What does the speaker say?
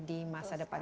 di masa depan